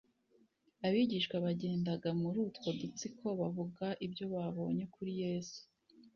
Abigishwa bagendaga muri utwo dutsiko bavuga ibyo babonye kuri Yesu